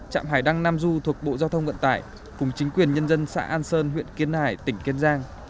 trạm hải đăng nam du thuộc bộ giao thông vận tải cùng chính quyền nhân dân xã an sơn huyện kiên hải tỉnh kiên giang